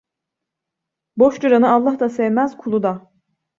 Boş duranı Allah da sevmez kulu da…